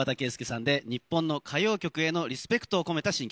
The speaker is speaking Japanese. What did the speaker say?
日本の歌謡曲へのリスペクトを込めた新曲。